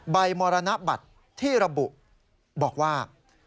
มรณบัตรที่ระบุบอกว่า